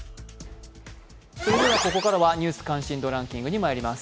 ここからは「ニュース関心度ランキング」にまいります。